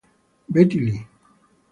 Betty Lee.